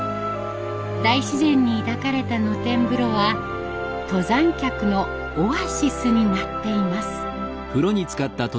大自然に抱かれた野天風呂は登山客のオアシスになっています。